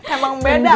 emang beda atuh